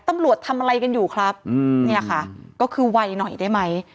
ตำรวจทำอะไรกันอยู่ครับเนี่ยค่ะก็คือไวหน่อยได้ไหม